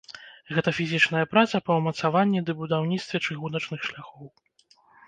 Гэта фізічная праца па ўмацаванні ды будаўніцтве чыгуначных шляхоў.